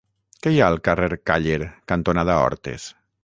Què hi ha al carrer Càller cantonada Hortes?